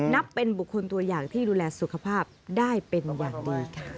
นับเป็นบุคคลตัวอย่างที่ดูแลสุขภาพได้เป็นอย่างดีค่ะ